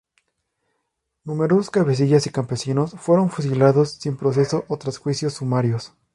Numerosos cabecillas y campesinos fueron fusilados sin proceso o tras juicios sumarios.